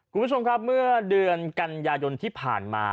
คุณผู้ชมครับเมื่อเดือนกันยายนที่ผ่านมา